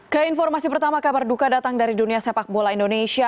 keinformasi pertama kabar duka datang dari dunia sepak bola indonesia